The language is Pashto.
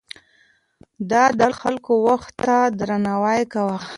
ده د خلکو وخت ته درناوی کاوه.